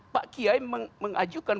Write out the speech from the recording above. pak kiai mengajukan